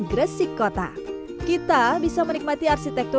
gresik kota kita bisa menikmati arsitektur